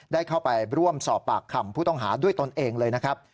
ได้เข้าไปร่วมสอบปากคำผู้ต้องหาด้วยตนเองเลยนะครับ